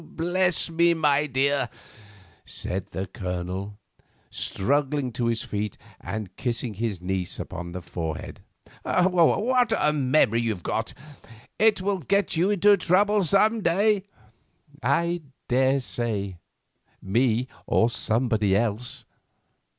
"Bless me, my dear," said the Colonel, struggling to his feet, and kissing his niece upon the forehead, "what a memory you have got! It will get you into trouble some day." "I daresay—me, or somebody else.